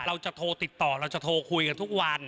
เราจะโทรติดต่อเราจะโทรคุยกันทุกวัน